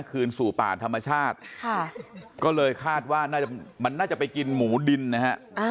คืนสู่ป่าธรรมชาติค่ะก็เลยคาดว่าน่าจะมันน่าจะไปกินหมูดินนะฮะ